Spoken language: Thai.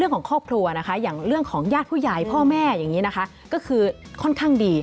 ก็คือค่อนข้างดี